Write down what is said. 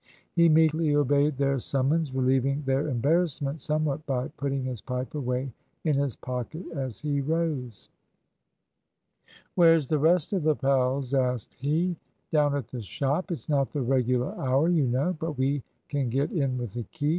He meekly obeyed their summons, relieving their embarrassment somewhat by putting his pipe away in his pocket as he rose. "Where's the rest of the pals?" asked he. "Down at the shop. It's not the regular hour, you know. But we can get in with the key.